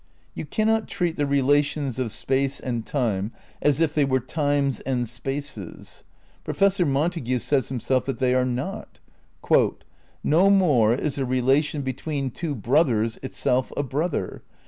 You cannot treat the rela tions of space and time as if they were times and spaces. Professor Montague says himself that they are not. "No more is a relation between two brothers itself a brother.